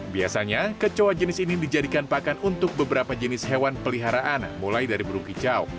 biasanya kecoa jenis ini dijadikan pakan untuk beberapa jenis hewan peliharaan mulai dari burung kicau